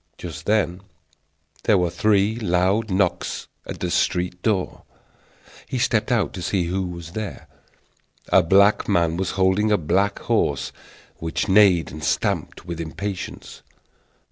Just then there were three loud knocks at the street door. He stepped out to see who was there. A black man was holding a black horse, which neighed and stamped with impatience.